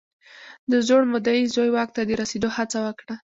د زوړ مدعي زوی واک ته د رسېدو هڅه وکړه.